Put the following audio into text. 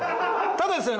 ただですね